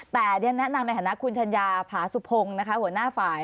แต่แนะนำในฐานะคุณชัญญาผาสุโพงหัวหน้าฝ่าย